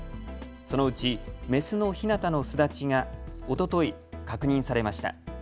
そのうちメスのひなたの巣立ちがおととい確認されました。